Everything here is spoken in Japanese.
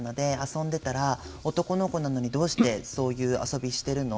遊んでたら男の子なのにどうしてそういう遊びしてるの？